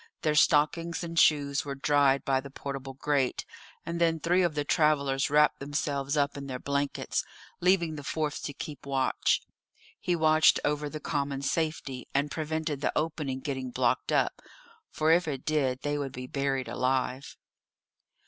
Their stockings and shoes were dried by the portable grate, and then three of the travellers wrapped themselves up in their blankets, leaving the fourth to keep watch; he watched over the common safety, and prevented the opening getting blocked up, for if it did they would be buried alive.